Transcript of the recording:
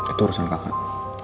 itu urusan kakak